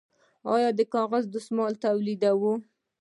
آیا د کاغذ دستمال تولیدوو؟